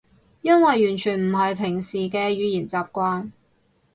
因為完全唔係平時嘅語言習慣